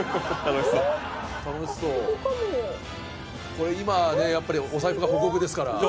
これ今ねやっぱりお財布がほくほくですから。